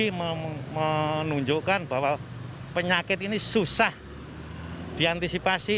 ini menunjukkan bahwa penyakit ini susah diantisipasi